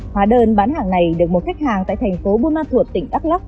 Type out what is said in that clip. hóa đơn bán hàng này được một khách hàng tại thành phố buna thuột tỉnh đắk lắk